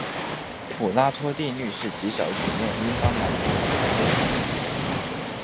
普拉托定律是极小曲面应当满足的条件。